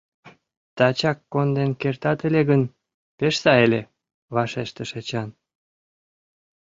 — Тачак конден кертат ыле гын, пеш сай ыле, — вашештыш Эчан.